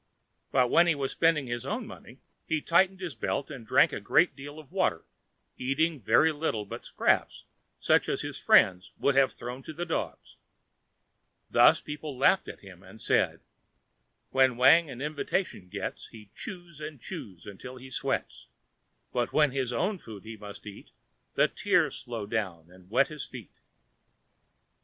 But when he was spending his own money, he tightened his belt and drank a great deal of water, eating very little but scraps such as his friends would have thrown to the dogs. Thus people laughed at him and said: "When Wang an invitation gets, He chews and chews until he sweats, But, when his own food he must eat. The tears flow down and wet his feet."